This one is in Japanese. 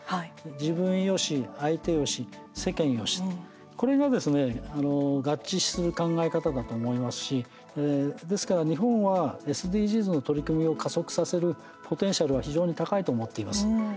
自分よし、相手よし世間よし、これがですね合致する考え方だと思いますしですから、日本はＳＤＧｓの取り組みを加速させるポテンシャルは非常に高いと思っています。